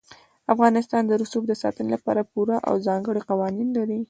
افغانستان د رسوب د ساتنې لپاره پوره او ځانګړي قوانین لري.